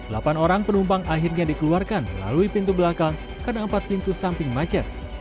delapan orang penumpang akhirnya dikeluarkan melalui pintu belakang karena empat pintu samping macet